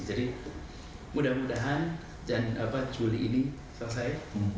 jadi mudah mudahan juli ini selesai